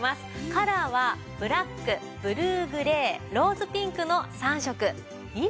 カラーはブラックブルーグレーローズピンクの３色。